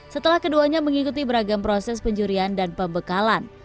setelah keduanya mengikuti beragam proses penjurian dan pembekalan